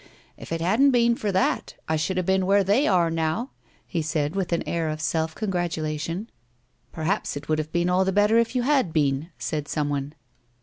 " If it hadn't been for that, I should have been where they are now," he said with an air of self congi atulation. "Perhaps it would have been all the better if you had been," said some one.